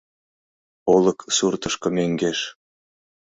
Олык суртышко мӧҥгеш.